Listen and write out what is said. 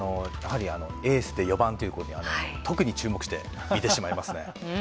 エースで４番というふうに特に注目して見てしまいます。